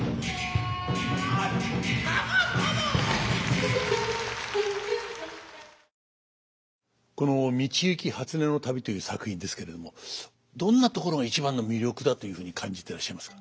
まっさかさまこの「道行初音旅」という作品ですけれどもどんなところが一番の魅力だというふうに感じてらっしゃいますか？